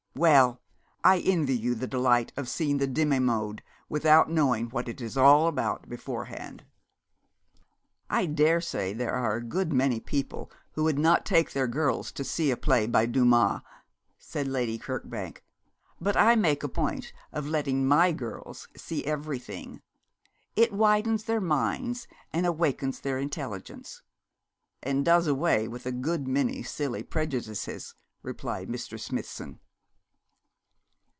'Well, I envy you the delight of seeing the Demi monde without knowing what it is all about beforehand.' 'I daresay there are a good many people who would not take their girls to see a play by Dumas,' said Lady Kirkbank, 'but I make a point of letting my girls see everything. It widens their minds and awakens their intelligence.' 'And does away with a good many silly prejudices,' replied Mr. Smithson.